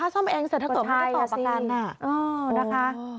สวัสดีครับ